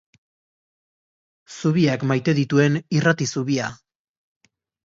Zubiak maite dituen irrati-zubia.